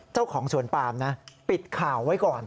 เจ้าของสวนปามนะปิดข่าวไว้ก่อน